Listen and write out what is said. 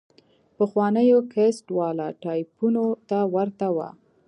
پخوانيو کسټ والا ټايپونو ته ورته وه.